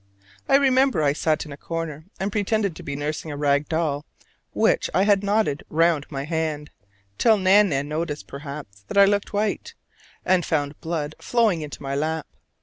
I remember I sat in a corner and pretended to be nursing a rag doll which I had knotted round my hand, till Nan nan noticed, perhaps, that I looked white, and found blood flowing into my lap.